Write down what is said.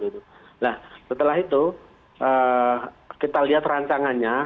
nah setelah itu kita lihat rancangannya